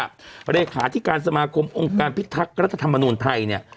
เลขาที่การสมาคมองค์การพิทักษ์รัฐธรรมนูญไทยเนี่ย